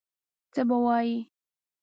څه به وایي.